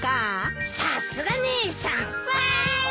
さすが姉さん。わい！